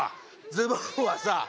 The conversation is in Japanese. ズボンはさ